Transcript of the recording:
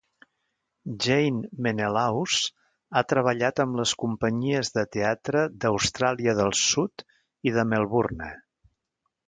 Jane Menelaus ha treballat amb les companyies de teatre d'Austràlia del Sud i de Melbourne.